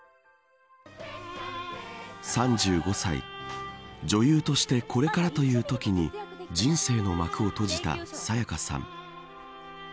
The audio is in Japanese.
３５歳女優としてこれからというときに人生の幕を閉じた沙也加さん。